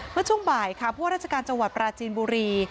เมื่อช่วงบ่ายค่ะผู้ว่าราชการจปราจิมบุรี